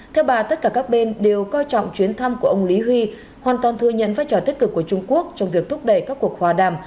theo bà tất cả các bên đều coi trọng chuyến thăm của ông lý huy hoàn toàn thừa nhận vai trò tích cực của trung quốc trong việc thúc đẩy các cuộc hòa đàm